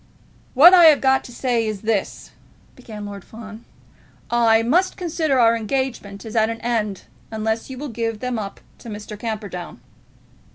"What I have got to say is this," began Lord Fawn; "I must consider our engagement as at an end unless you will give them up to Mr. Camperdown."